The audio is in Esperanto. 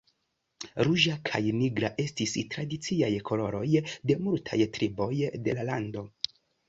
Ruĝa kaj nigra estis tradiciaj koloroj de multaj triboj de la lando.